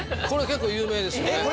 これ結構有名ですよね。